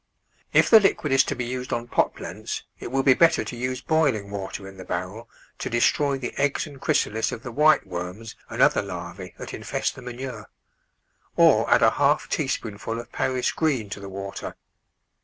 If the liquid is to be used on pot plants it' will be better to use boiling water in the barrel to destroy the eggs and chrysalis of the white worms and other larvae that infest the manure; or add a half tea spoonful of Paris green to the water.